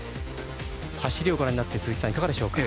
走りをご覧になって鈴木さんいかがでしょうか？